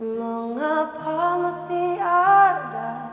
mengapa masih ada